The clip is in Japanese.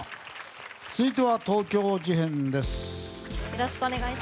続いては東京事変です。